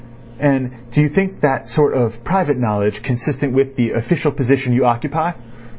"And do you think that sort of private knowledge consistent with the official position you occupy?"